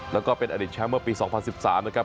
แล้วก็เป็นอดีตแชมป์เมื่อปี๒๐๑๓นะครับ